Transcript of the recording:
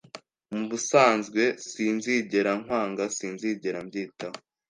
Mubusanzwe sinzigera, nkwanga si nzigera mbyitaho